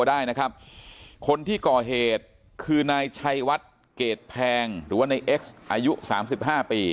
ได้นะครับคนที่ก่อเหตุคือนายชัยวัดเกรดแพงหรือว่าในเอ็กซ์อายุสามสิบห้าปี